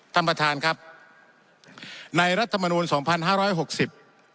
ท่านประธานครับในรัฐมนูลสองพันห้าร้อยหกสิบ